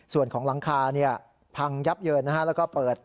ส่วนของหลังคาพังยับเยินแล้วก็เปิด